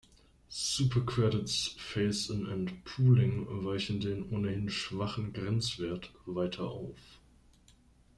Super credits, phase-in and pooling weichen den ohnehin schwachen Grenzwert weiter auf.